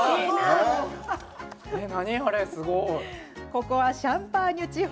ここはシャンパーニュ地方。